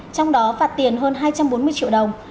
trong đó phạt tiền hơn hai trăm bốn mươi triệu đồng